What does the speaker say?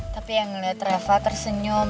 tapi yang ngeliat rafa tersenyum